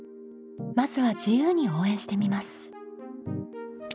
まずは自由に応援してみます。